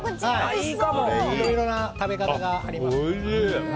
いろいろな食べ方があります。